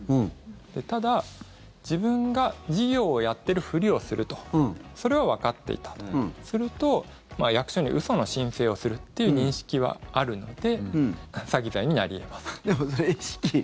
ただ、自分が事業をやっているふりをするとそれはわかっていたとすると役所に嘘の申請をするという認識はあるので詐欺罪になり得ます。